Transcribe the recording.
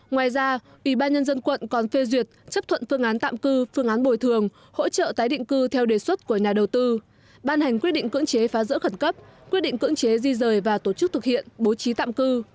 ngoài ra ủy ban nhân dân quận còn phê duyệt chấp thuận phương án tạm cư phương án bồi thường hỗ trợ tái định cư theo đề xuất của nhà đầu tư ban hành quyết định cưỡng chế phá rỡ khẩn cấp quyết định cưỡng chế di rời và tổ chức thực hiện bố trí tạm cư